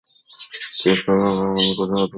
ক্রেতারা ভবনগুলির অধিকাংশই ভেঙে ফেলে।